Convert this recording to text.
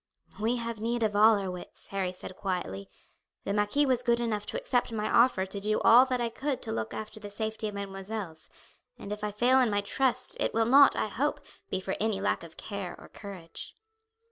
"We have need of all our wits," Harry said quietly. "The marquis was good enough to accept my offer to do all that I could to look after the safety of mesdemoiselles, and if I fail in my trust it will not, I hope, be from any lack of care or courage."